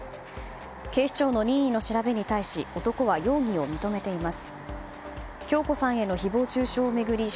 警視庁の任意の調べに対し男は容疑を認めています。